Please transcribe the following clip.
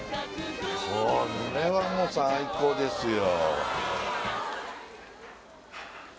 これはもう最高ですよ